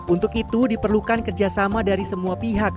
untuk itu diperlukan kerjasama dari semua pihak